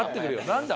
何だ？